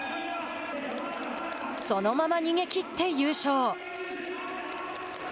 そのまま逃げきって優勝。